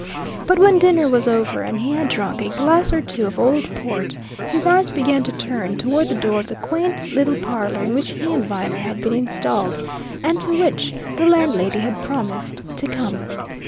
But when dinner was over and he had drunk a glass or two of old port, his eyes began to turn toward the door of the quaint little parlour in which he and Viner had been installed, and to which the landlady had promised to come.